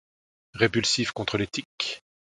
Répulsif contre les tiques.